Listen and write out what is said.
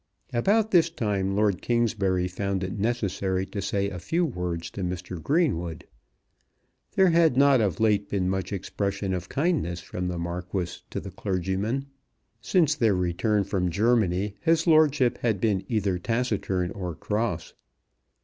About this time Lord Kingsbury found it necessary to say a few words to Mr. Greenwood. There had not of late been much expression of kindness from the Marquis to the clergyman. Since their return from Germany his lordship had been either taciturn or cross.